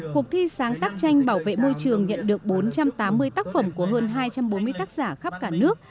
cuộc thi sáng tác tranh bảo vệ môi trường nhận được bốn trăm tám mươi tác phẩm của hơn hai trăm bốn mươi tác giả khắp cả nước